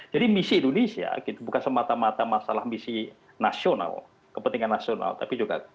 jadi misi indonesia gitu bukan semata mata masalah misi nasional kepentingan nasional tapi juga